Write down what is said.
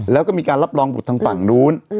แล้วก็มีการรับรองบุตรทางฝั่งนู้น